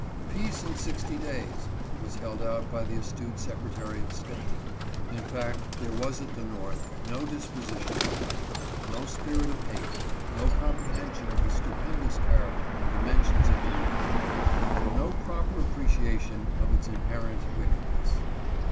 ' Peace in sixty days ' was held out by the astute Secretary of State. In fact, there was at the North no disposition to fight, no spirit of hate, no comprehension of the stupendous character and dimensions of the rebellion^ and no proper appreciation of its inherent wickedness.